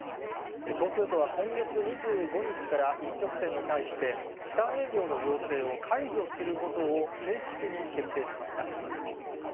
東京都は今月２５日から、飲食店に対して、時短営業の要請を解除することを正式に決定しました。